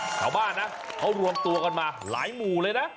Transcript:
ชาวบ้านนะเขารวมตัวกันมาหลายหมู่เลยนะ